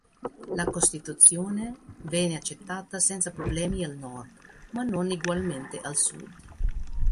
La costituzione venne accettata senza problemi al nord, ma non egualmente al sud.